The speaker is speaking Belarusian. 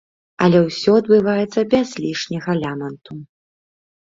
Але ўсё адбываецца без лішняга ляманту.